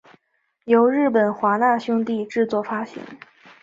由日本华纳兄弟制作发行。